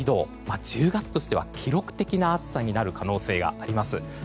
１０月としては記録的な暑さになる可能性があります。